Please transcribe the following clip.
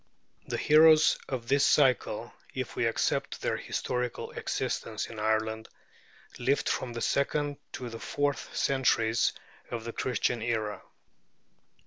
The heroes of this cycle, if we accept their historical existence in Ireland, lived from the second to the fourth centuries of the Christian era.